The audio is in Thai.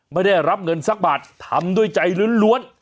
ไม่ได้รับเงินสักบาททำด้วยใจล้วน